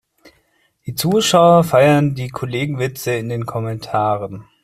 Die Zuschauer feiern die Kollegenwitze in den Kommentaren.